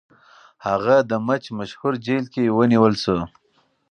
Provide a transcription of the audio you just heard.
هغه د مچ مشهور جیل کې ونیول شو.